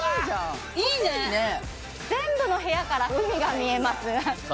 いいね全部の部屋から海が見えます